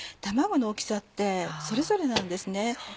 卵の大きさってそれぞれなんですね。